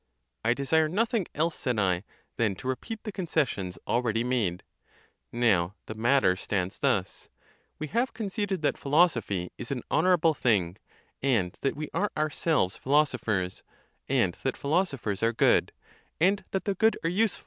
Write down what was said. —I desire nothing else, said I, than to repeat the concessions already made. Now the matter stands thus. We have conceded that philosophy is an honourable thing, and that we are ourselves philosophers ; and that philosophers are good ; and that the good are useful, 43 Ficinus alone has '' omnium."